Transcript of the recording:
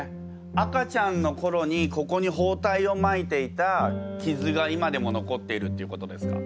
赤ちゃんのころにここに包帯をまいていた傷が今でも残っているっていうことですか？